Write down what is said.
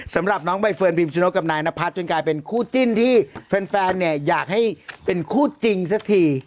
สำหรับน้องใบเฟิร์นพิมชนกกับนายนพัฒน์จนกลายเป็นคู่จิ้นที่แฟนเนี่ยอยากให้เป็นคู่จริงสักที